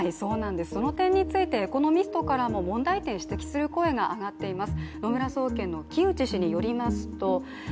その点について、エコノミストからも問題点を指摘する声が上がっています。